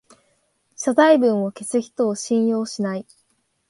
謝罪文を消す人を信用しない